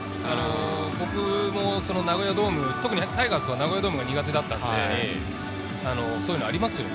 僕もナゴヤドーム、タイガースはナゴヤドームが苦手だったので、そういうのもありますよね。